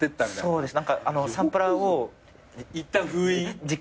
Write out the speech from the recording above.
そうです。